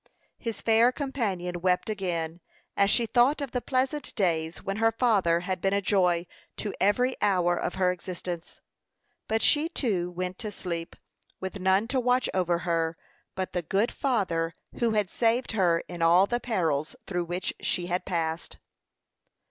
His fair companion wept again, as she thought of the pleasant days when her father had been a joy to every hour of her existence; but she, too, went to sleep, with none to watch over her but the good Father who had saved her in all the perils through which she had passed.